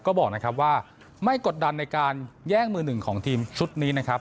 ก็บอกนะครับว่าไม่กดดันในการแย่งมือหนึ่งของทีมชุดนี้นะครับ